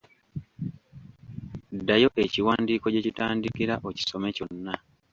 Ddayo ekiwandiiko gye kitandikira okisome kyonna.